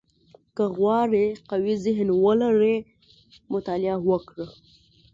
• که غواړې قوي ذهن ولرې، مطالعه وکړه.